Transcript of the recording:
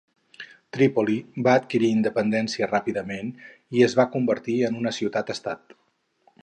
Trípoli, va adquirir independència ràpidament i es va convertir en una ciutat estat.